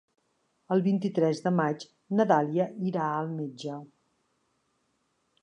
El vint-i-tres de maig na Dàlia irà al metge.